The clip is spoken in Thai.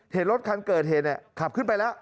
เห็นรถคันเกิดเหตุขับขึ้นไปแล้ว